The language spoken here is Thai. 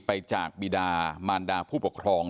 ไปจากบีดามารดาผู้ปกครอง